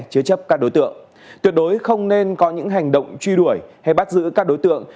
chế chấp các đối tượng tuyệt đối không nên có những hành động truy đuổi hay bắt giữ các đối tượng